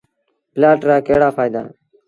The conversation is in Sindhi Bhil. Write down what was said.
پلآٽ رآ ڪهڙآ ڦآئيدآ اهيݩ۔